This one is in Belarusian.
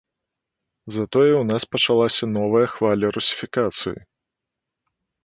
Затое ў нас пачалася новая хваля русіфікацыі.